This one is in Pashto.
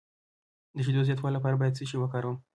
د شیدو زیاتولو لپاره باید څه شی وکاروم؟